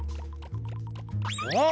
おっ！